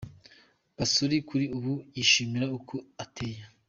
Basori kuri ubu yishimira uko ateye.